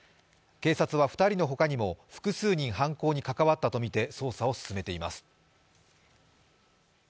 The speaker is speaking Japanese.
警察は２人の他にも複数人犯行に関わったとみて捜査を進めています。